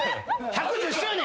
１１０周年！